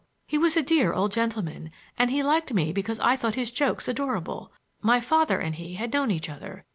He was a dear old gentleman; and he liked me because I thought his jokes adorable. My father and he had known each other.